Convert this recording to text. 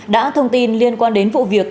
đã thông tin liên quan đến vụ việc